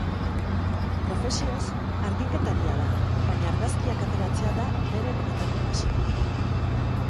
Profesioz argiketaria da, baina argazkiak ateratzea da bere benetako pasioa.